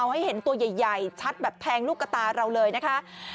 ให้เห็นตัวใหญ่ชัดแบบแทงลูกกระตาเราเลยนะคะ